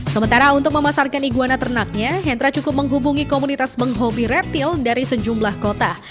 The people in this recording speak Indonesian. sementara untuk memasarkan iguana ternaknya hendra cukup menghubungi komunitas penghobi reptil dari sejumlah kota